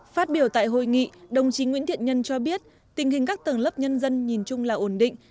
phát biểu tại hội nghị đồng chí nguyễn thiện nhân cho biết tình hình các tầng lớp nhân dân nhìn chung là ổn định